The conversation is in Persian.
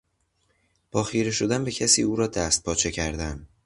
با خیره شدن به کسی او را دستپاچه کردن